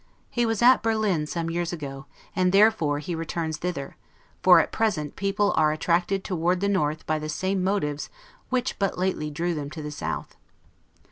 He was at Berlin some years ago, and therefore he returns thither; for at present people are attracted toward the north by the same motives which but lately drew them to the south.